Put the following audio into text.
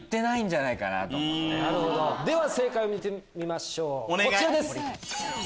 では正解を見てみましょうこちらです！